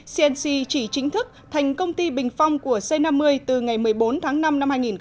cnc chỉ chính thức thành công ty bình phong của c năm mươi từ ngày một mươi bốn tháng năm năm hai nghìn một mươi chín